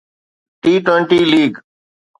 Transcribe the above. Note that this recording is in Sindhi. T twenty league